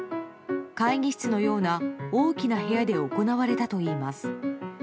会議室のような大きな部屋で行われたといいます。